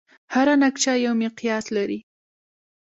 هره نقشه یو مقیاس لري.